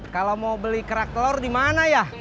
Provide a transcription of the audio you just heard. kalo mau beli kerak telor di mana ya